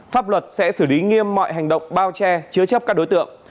pháp luật sẽ xử lý nghiêm mọi hành động bao che chứa chấp các đối tượng